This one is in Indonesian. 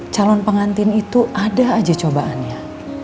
calon pengantin itu ada aja cobaannya